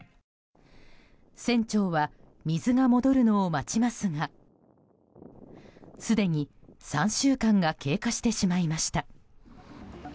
船長は、水が戻るのを待ちますがすでに３週間が経過してしまいました。